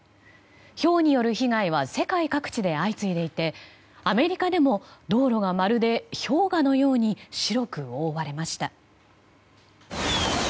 ひょうによる被害は世界各地で相次いでいてアメリカでも道路がまるで氷河のように白く覆われました。